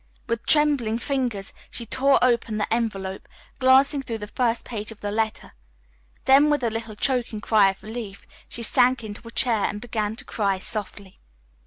With trembling fingers she tore open the envelope, glancing through the first page of the letter. Then, with a little choking cry of relief, she sank into a chair and began to cry softly.